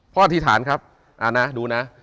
พ่ออธิษฐานครับอ่านะดูนะ